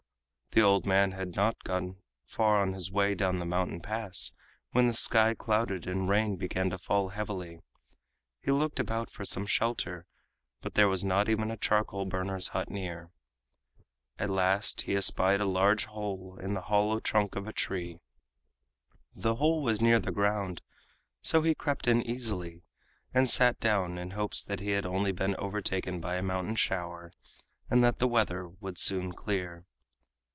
The old man had not gone far on his way down the mountain pass when the sky clouded and rain began to fall heavily. He looked about for some shelter, but there was not even a charcoal burner's hut near. At last he espied a large hole in the hollow trunk of a tree. The hole was near the ground, so he crept in easily, and sat down in hopes that he had only been overtaken by a mountain shower, and that the weather would soon clear.